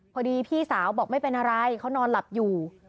พี่สาวบอกไม่เป็นอะไรเขานอนหลับอยู่